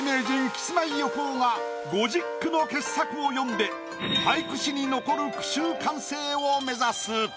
キスマイ横尾が５０句の傑作を詠んで俳句史に残る句集完成を目指す。